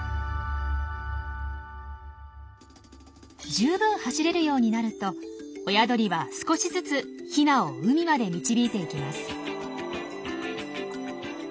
十分走れるようになると親鳥は少しずつヒナを海まで導いていきます。